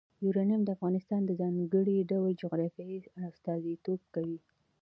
یورانیم د افغانستان د ځانګړي ډول جغرافیه استازیتوب کوي.